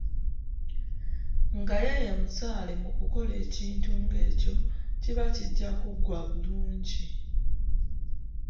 Nga ye ye musaale mukukola ekintu ng'ekyo, kiba kijja kuggwa bulungi.